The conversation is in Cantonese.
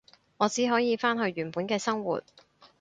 我只可以返去原本嘅生活